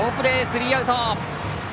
スリーアウト。